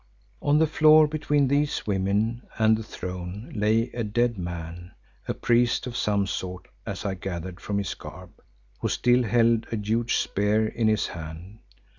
On the floor between these women and the throne lay a dead man, a priest of some sort as I gathered from his garb, who still held a huge spear in his hand.